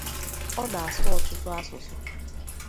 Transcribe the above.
Ọ na-asụ ọtụtụ asụsụ.